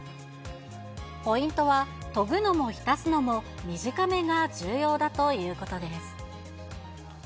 ポイントは、研ぐのも浸すのも、短めが重要だということです。